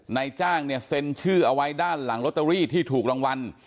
นายจ้างเนี่ยเซ็นชื่อเอาไว้ด้านหลังลอตเตอรี่ที่ถูกรางวัล